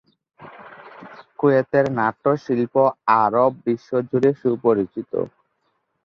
কুয়েতের নাট্য শিল্প আরব বিশ্ব জুড়ে সুপরিচিত।